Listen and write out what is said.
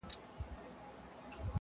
په حافظه کي ثبت پاته کيږي-